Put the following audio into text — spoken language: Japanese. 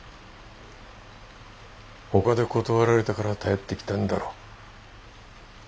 ほかで断られたから頼ってきたんだろ。